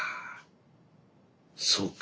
そうか。